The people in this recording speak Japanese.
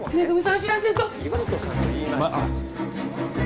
知らせんと！